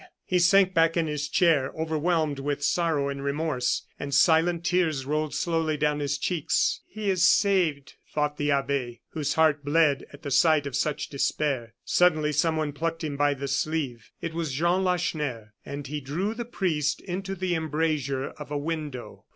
He sank back in his chair, overwhelmed with sorrow and remorse, and silent tears rolled slowly down his cheeks. "He is saved!" thought the abbe, whose heart bled at the sight of such despair. Suddenly someone plucked him by the sleeve. It was Jean Lacheneur, and he drew the priest into the embrasure of a window.